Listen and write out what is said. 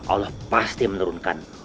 allah pasti menurunkan